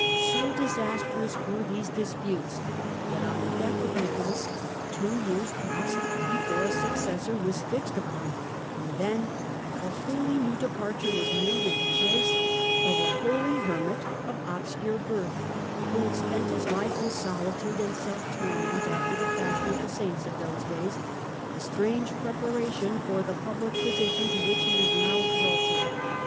So disastrous were these disputes that on the death of Nicholas two years passed before a successor was fixed upon, and then a wholly new departure was made, in the choice of a holy hermit of obscure birth, who had spent ^eiestme his life in solitude and self torment after the fashion of the saints of those days : a strange preparation for the pubhc position to which he was now exalted.